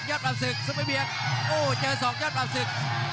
ปราบศึกซุปเปอร์เบียนโอ้เจอสองยอดปราบศึก